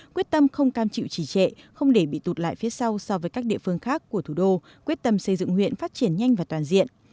quyết tâm không cam chịu trì trệ không để bị tụt lại phía sau so với các địa phương khác của thủ đô quyết tâm xây dựng huyện phát triển nhanh và toàn diện